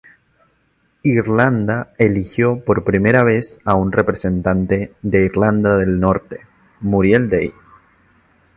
Irlanda eligió por primera vez a un representante de Irlanda del Norte, Muriel Day.